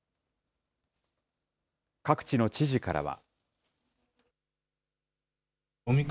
各地の知事からは。